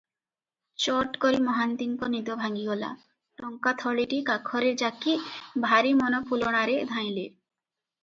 ଚଟକରି ମହାନ୍ତିଙ୍କ ନିଦ ଭାଙ୍ଗିଗଲା, ଟଙ୍କା ଥଳିଟି କାଖରେ ଯାକି ଭାରି ମନ ଫୁଲଣାରେ ଧାଇଁଲେ ।